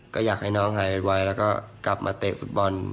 ก็อยากให้น้องหายไวแล้วก็กลับมาเตะฟุตบอล